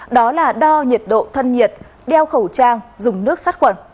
đó là đo nhiệt độ thân nhiệt đeo khẩu trang dùng nước sát khuẩn